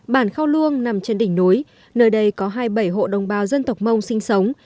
bản khao luông nằm trên đỉnh núi nơi đây có hai mươi bảy hộ đồng bào dân tộc mông sinh sống